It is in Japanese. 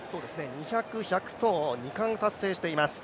２００、１００と２冠達成しています。